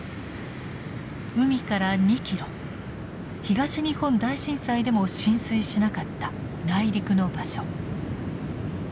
海から２ｋｍ東日本大震災でも浸水しなかった内陸の場所。